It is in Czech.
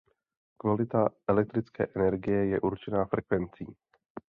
Kvalita elektrické energie je určena frekvencí.